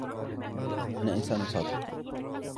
أنا إنسان صادق.